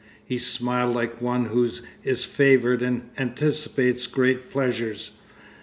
He smiled like one who is favoured and anticipates great pleasures.